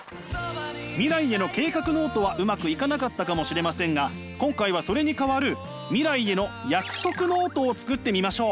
未来への計画ノートはうまくいかなかったかもしれませんが今回はそれに代わる未来への約束ノートを作ってみましょう！